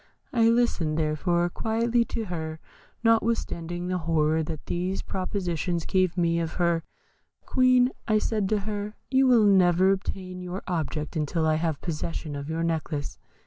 I listened, therefore, quietly to her, notwithstanding the horror that these propositions gave me of her. 'Queen,' said I to her, 'you will never obtain your object until I have possession of your necklace.